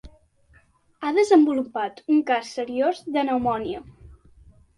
Ha desenvolupat un cas seriós de pneumònia.